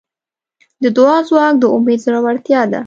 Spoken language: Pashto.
د دعا ځواک د امید زړورتیا ده.